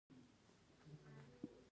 فری لانسینګ په افغانستان کې نوی دی